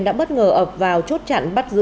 đã bất ngờ ập vào chốt chặn bắt giữ